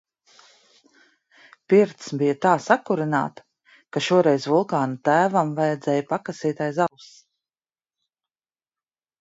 Pirts bija tā sakurināta, ka šoreiz Vulkāna tēvam vajadzēja pakasīt aiz auss.